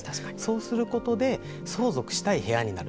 そうすることで相続したい部屋になる。